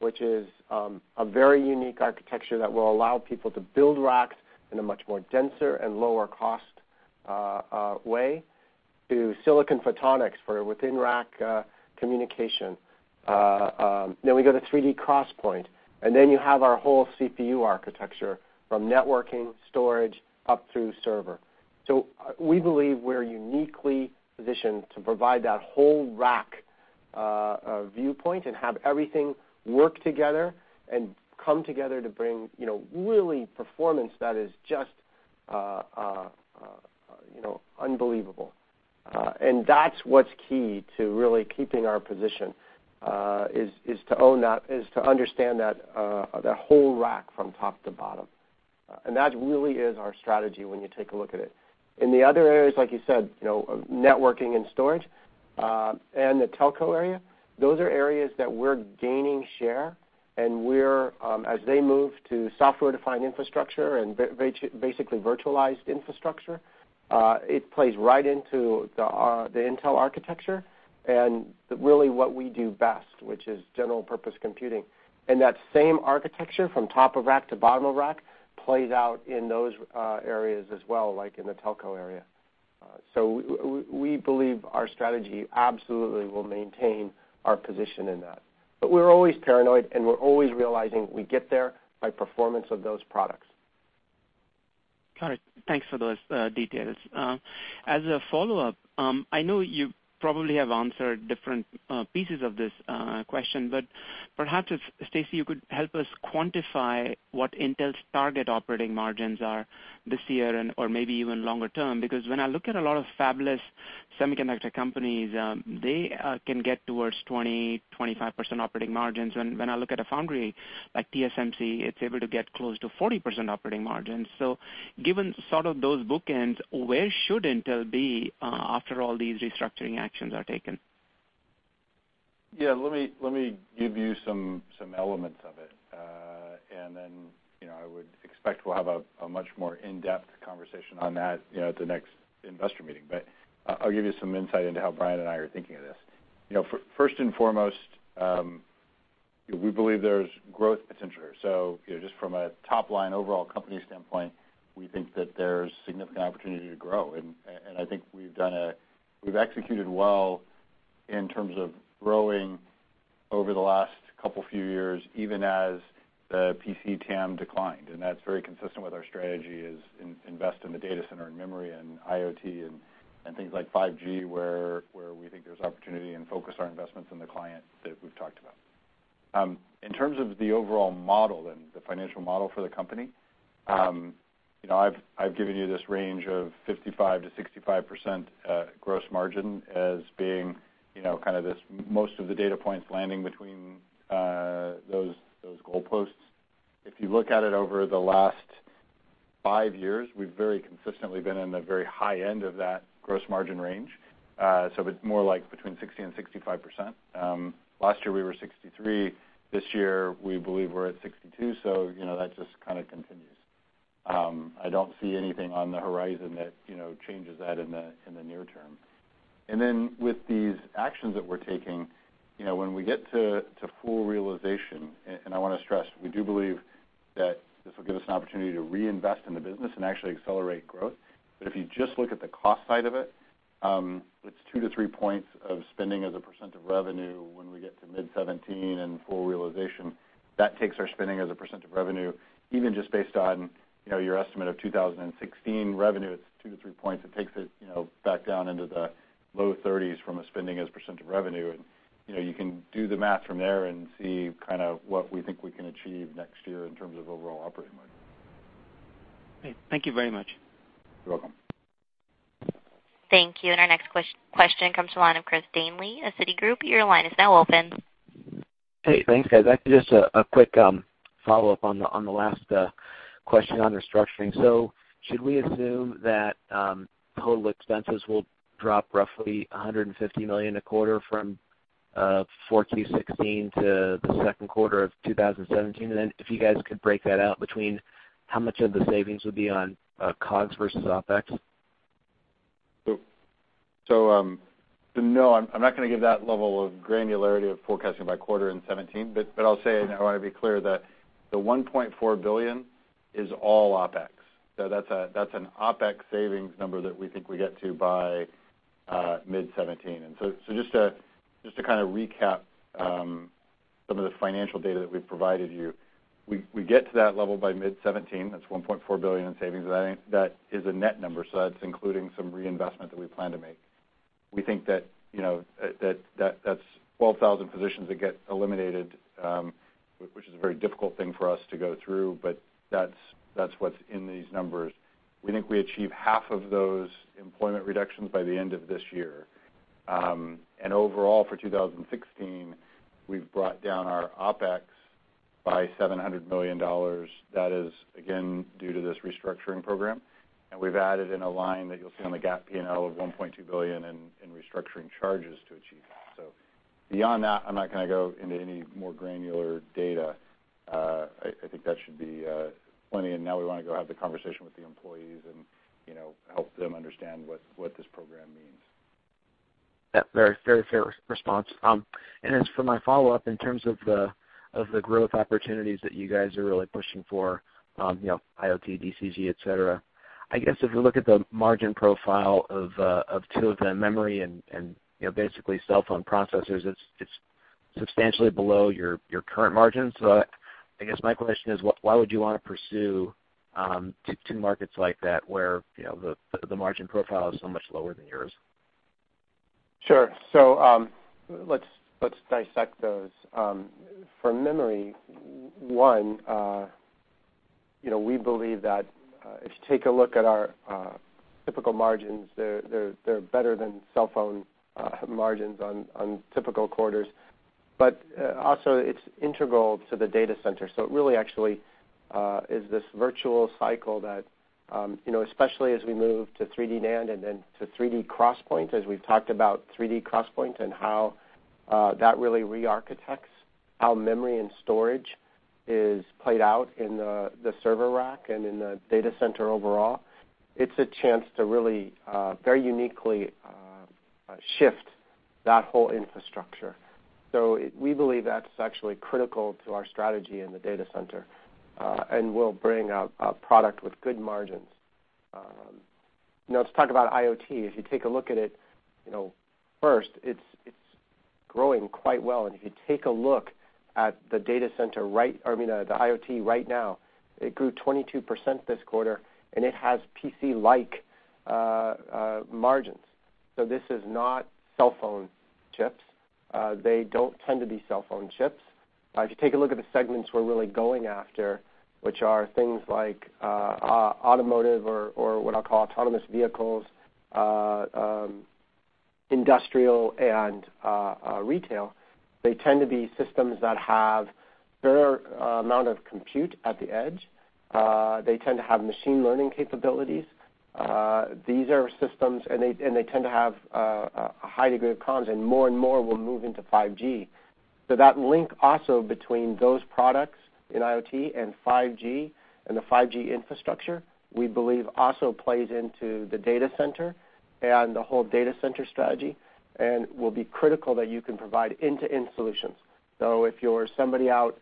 which is a very unique architecture that will allow people to build racks in a much more denser and lower cost way, to Silicon Photonics for within rack communication. We go to 3D XPoint, you have our whole CPU architecture from networking, storage, up through server. We believe we're uniquely positioned to provide that whole rack viewpoint and have everything work together and come together to bring really performance that is just unbelievable. That's what's key to really keeping our position, is to understand that whole rack from top to bottom. That really is our strategy when you take a look at it. In the other areas, like you said, networking and storage, and the telco area, those are areas that we're gaining share, and as they move to software-defined infrastructure and basically virtualized infrastructure, it plays right into the Intel architecture and really what we do best, which is general purpose computing. That same architecture from top of rack to bottom of rack plays out in those areas as well, like in the telco area. We believe our strategy absolutely will maintain our position in that. We're always paranoid, and we're always realizing we get there by performance of those products. Got it. Thanks for those details. As a follow-up, I know you probably have answered different pieces of this question, but perhaps if, Stacy, you could help us quantify what Intel's target operating margins are this year or maybe even longer term, because when I look at a lot of fabless semiconductor companies, they can get towards 20%-25% operating margins. When I look at a foundry like TSMC, it's able to get close to 40% operating margins. Given sort of those bookends, where should Intel be after all these restructuring actions are taken? Yeah, let me give you some elements of it. Then, I would expect we'll have a much more in-depth conversation on that at the next investor meeting. I'll give you some insight into how Brian and I are thinking of this. First and foremost, we believe there's growth potential. Just from a top-line overall company standpoint, we think that there's significant opportunity to grow. I think we've executed well in terms of growing over the last couple few years, even as the PC TAM declined. That's very consistent with our strategy, is invest in the data center and memory and IoT and things like 5G, where we think there's opportunity, and focus our investments in the client that we've talked about. In terms of the overall model and the financial model for the company, I've given you this range of 55%-65% gross margin as being kind of this most of the data points landing between those goalposts. If you look at it over the last five years, we've very consistently been in the very high end of that gross margin range. It's more like between 60%-65%. Last year, we were 63%. This year, we believe we're at 62%. That just kind of continues. I don't see anything on the horizon that changes that in the near term. Then with these actions that we're taking, when we get to full realization, and I want to stress, we do believe that this will give us an opportunity to reinvest in the business and actually accelerate growth. If you just look at the cost side of it's 2 to 3 points of spending as a percent of revenue when we get to mid 2017 and full realization. That takes our spending as a percent of revenue, even just based on your estimate of 2016 revenue, it's 2 to 3 points. It takes it back down into the low 30s from a spending as a percent of revenue. You can do the math from there and see kind of what we think we can achieve next year in terms of overall operating margin. Great. Thank you very much. You're welcome. Thank you. Our next question comes to the line of Christopher Danely of Citigroup. Your line is now open. Hey, thanks, guys. Just a quick follow-up on the last question on restructuring. Should we assume that total expenses will drop roughly $150 million a quarter from 4Q 2016 to the second quarter of 2017? If you guys could break that out between how much of the savings would be on COGS versus OpEx. No, I'm not going to give that level of granularity of forecasting by quarter in 2017. But I'll say, I want to be clear that the $1.4 billion is all OpEx. That's an OpEx savings number that we think we get to by mid 2017. Just to kind of recap some of the financial data that we've provided you, we get to that level by mid 2017. That's $1.4 billion in savings. That is a net number. That's including some reinvestment that we plan to make. We think that's 12,000 positions that get eliminated, which is a very difficult thing for us to go through, but that's what's in these numbers. We think we achieve half of those employment reductions by the end of this year. Overall, for 2016, we've brought down our OpEx by $700 million. That is, again, due to this restructuring program. We've added in a line that you'll see on the GAAP P&L of $1.2 billion in restructuring charges to achieve that. Beyond that, I'm not going to go into any more granular data. I think that should be plenty. Now we want to go have the conversation with the employees and help them understand what this program means. Yeah. Very fair response. As for my follow-up, in terms of the growth opportunities that you guys are really pushing for, IoT, DCG, et cetera, I guess if we look at the margin profile of two of them, memory and basically cellphone processors, it's substantially below your current margins. I guess my question is, why would you want to pursue two markets like that, where the margin profile is so much lower than yours? Sure. Let's dissect those. For memory, one, we believe that if you take a look at our typical margins, they're better than cellphone margins on typical quarters. Also, it's integral to the data center. It really actually is this virtuous cycle that, especially as we move to 3D NAND and then to 3D XPoint, as we've talked about 3D XPoint and how that really re-architects how memory and storage is played out in the server rack and in the data center overall. It's a chance to really, very uniquely, shift that whole infrastructure. We believe that's actually critical to our strategy in the data center, and will bring a product with good margins. Now, let's talk about IoT. If you take a look at it, first, it's growing quite well. If you take a look at the IoT right now, it grew 22% this quarter, and it has PC-like margins. This is not cellphone chips. They don't tend to be cellphone chips. If you take a look at the segments we're really going after, which are things like automotive or what I'll call autonomous vehicles, industrial, and retail, they tend to be systems that have fair amount of compute at the edge. They tend to have machine learning capabilities. These are systems, and they tend to have a high degree of comms, and more and more will move into 5G. That link also between those products in IoT and 5G and the 5G infrastructure, we believe also plays into the data center and the whole data center strategy, and will be critical that you can provide end-to-end solutions. If you're somebody out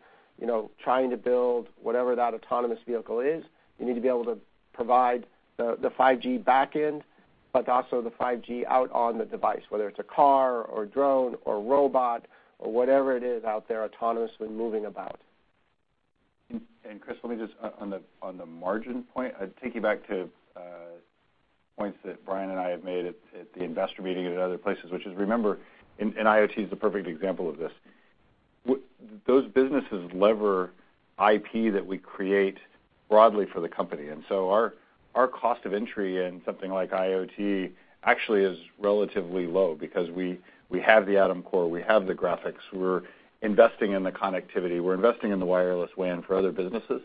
trying to build whatever that autonomous vehicle is, you need to be able to provide the 5G back end, but also the 5G out on the device, whether it's a car or drone or robot or whatever it is out there autonomously moving about. Chris, let me just, on the margin point, I'd take you back to points that Brian and I have made at the investor meeting and at other places, which is, remember, IoT is the perfect example of this, those businesses lever IP that we create broadly for the company. Our cost of entry in something like IoT actually is relatively low because we have the Atom core, we have the graphics, we're investing in the connectivity, we're investing in the wireless WAN for other businesses,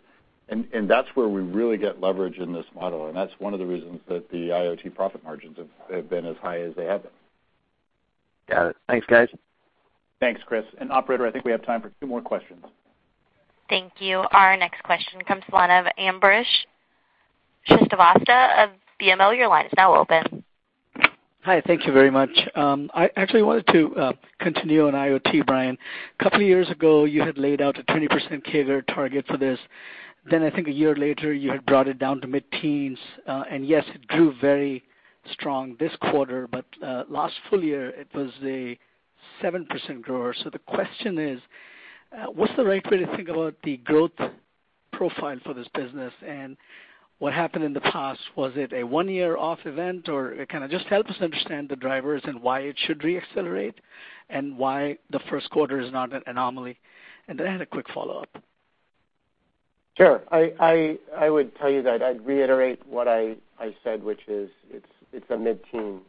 and that's where we really get leverage in this model, and that's one of the reasons that the IoT profit margins have been as high as they have been. Got it. Thanks, guys. Thanks, Chris. Operator, I think we have time for two more questions. Thank you. Our next question comes to line of Ambrish Srivastava of BMO. Your line is now open. Hi. Thank you very much. I actually wanted to continue on IoT, Brian. A couple of years ago, you had laid out a 20% CAGR target for this. I think a year later, you had brought it down to mid-teens. Yes, it grew very strong this quarter, but last full year, it was a 7% grower. The question is: What's the right way to think about the growth profile for this business, and what happened in the past? Was it a one-year-off event, or kind of just help us understand the drivers and why it should re-accelerate and why the first quarter is not an anomaly. I had a quick follow-up. Sure. I would tell you that I'd reiterate what I said, which is, it's a mid-teen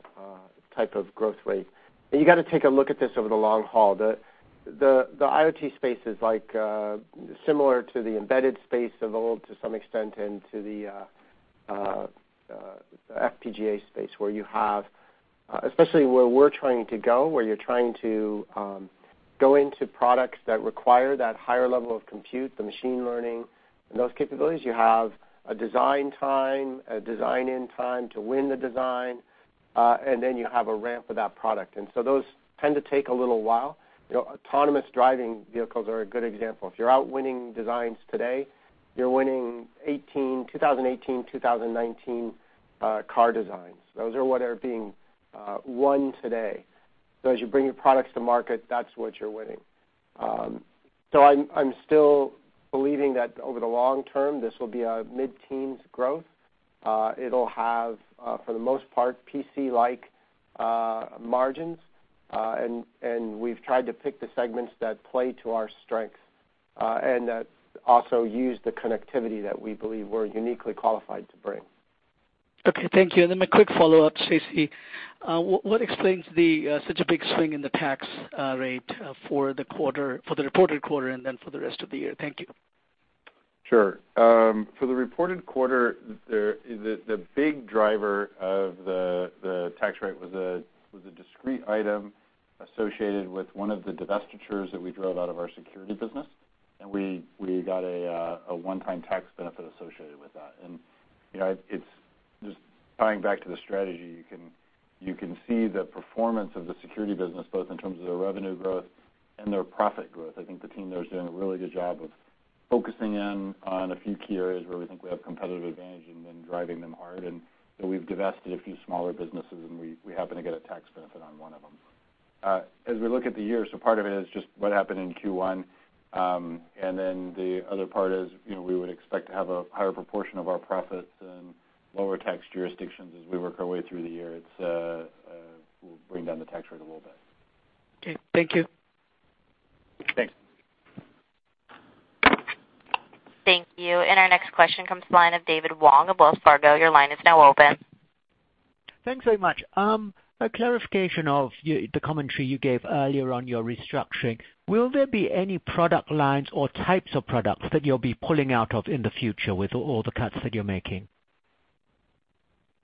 type of growth rate. You got to take a look at this over the long haul. The IoT space is similar to the embedded space, although to some extent into the FPGA space, especially where we're trying to go, where you're trying to go into products that require that higher level of compute, the machine learning, and those capabilities. You have a design time, a design-in time to win the design, and then you have a ramp of that product. Those tend to take a little while. Autonomous driving vehicles are a good example. If you're out winning designs today, you're winning 2018, 2019 car designs. Those are what are being won today. As you bring your products to market, that's what you're winning. I'm still believing that over the long term, this will be a mid-teens growth. It'll have, for the most part, PC-like margins. We've tried to pick the segments that play to our strengths, and that also use the connectivity that we believe we're uniquely qualified to bring. Okay, thank you. A quick follow-up, Stacy. What explains such a big swing in the tax rate for the reported quarter, and then for the rest of the year? Thank you. Sure. For the reported quarter, the big driver of the tax rate was a discrete item associated with one of the divestitures that we drove out of our security business, and we got a one-time tax benefit associated with that. Just tying back to the strategy, you can see the performance of the security business, both in terms of their revenue growth and their profit growth. I think the team there is doing a really good job of focusing in on a few key areas where we think we have competitive advantage and then driving them hard. We've divested a few smaller businesses, and we happen to get a tax benefit on one of them. As we look at the year, part of it is just what happened in Q1. Then the other part is, we would expect to have a higher proportion of our profits in lower tax jurisdictions as we work our way through the year. It will bring down the tax rate a little bit. Okay, thank you. Thanks. Thank you. Our next question comes to the line of David Wong of Wells Fargo. Your line is now open. Thanks very much. A clarification of the commentary you gave earlier on your restructuring. Will there be any product lines or types of products that you'll be pulling out of in the future with all the cuts that you're making?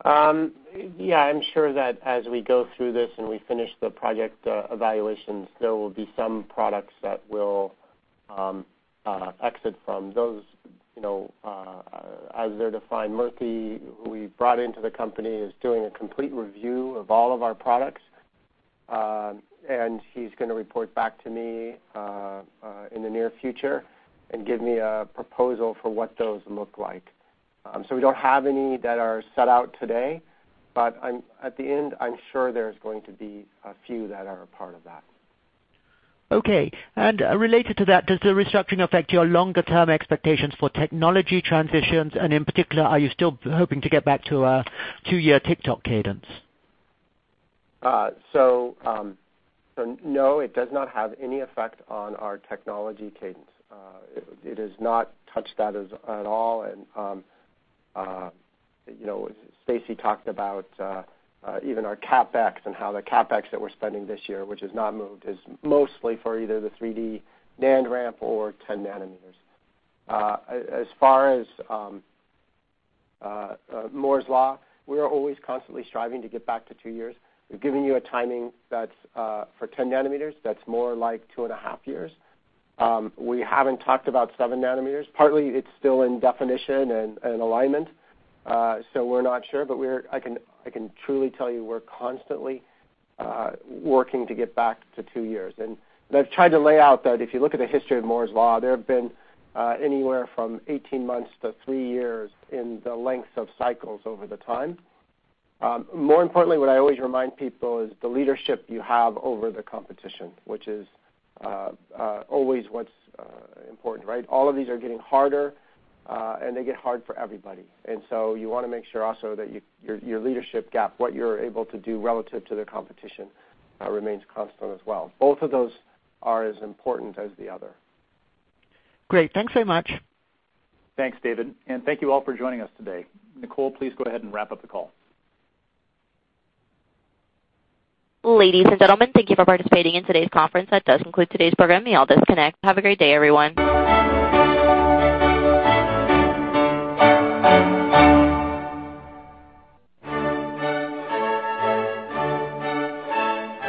Yeah, I'm sure that as we go through this and we finish the project evaluations, there will be some products that we'll exit from. As I defined, Murthy, who we brought into the company, is doing a complete review of all of our products. He's going to report back to me in the near future and give me a proposal for what those look like. We don't have any that are set out today, but at the end, I'm sure there's going to be a few that are a part of that. Okay. Related to that, does the restructuring affect your longer-term expectations for technology transitions? In particular, are you still hoping to get back to a two-year tick-tock cadence? No, it does not have any effect on our technology cadence. It has not touched that at all. Stacy talked about even our CapEx and how the CapEx that we're spending this year, which has not moved, is mostly for either the 3D NAND ramp or 10 nanometers. As far as Moore's Law, we are always constantly striving to get back to two years. We've given you a timing that's for 10 nanometers, that's more like two and a half years. We haven't talked about seven nanometers. Partly, it's still in definition and alignment, so we're not sure. I can truly tell you we're constantly working to get back to two years. I've tried to lay out that if you look at the history of Moore's Law, there have been anywhere from 18 months to three years in the lengths of cycles over the time. More importantly, what I always remind people is the leadership you have over the competition, which is always what's important, right? All of these are getting harder, and they get hard for everybody. You want to make sure also that your leadership gap, what you're able to do relative to the competition, remains constant as well. Both of those are as important as the other. Great. Thanks very much. Thanks, David. Thank you all for joining us today. Nicole, please go ahead and wrap up the call. Ladies and gentlemen, thank you for participating in today's conference. That does conclude today's program. You may all disconnect. Have a great day, everyone.